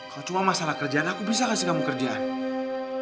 kalau cuma masalah kerjaan aku bisa kasih kamu kerjaan